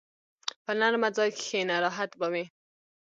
په نرمه ځای کښېنه، راحت به وي.